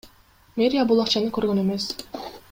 Мэрия бул акчаны көргөн эмес.